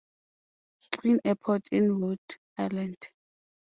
Green Airport in Rhode Island.